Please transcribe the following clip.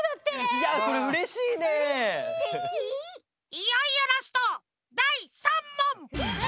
いよいよラストだい３もん！